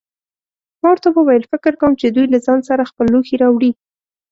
ما ورته وویل: فکر کوم چې دوی له ځان سره خپل لوښي راوړي.